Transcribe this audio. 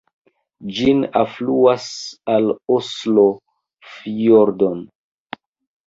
Ĝin alfluas la Oslo-fjordon.